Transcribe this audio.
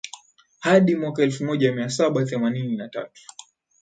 hadi mwaka elfumoja miasaba themanini na tatu